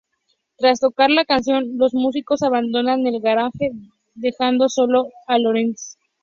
Tras tocar la canción, los músicos abandonan el garaje dejando solo a Lorenz.